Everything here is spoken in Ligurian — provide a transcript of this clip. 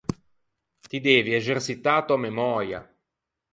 Ti devi exerçitâ a tò memöia.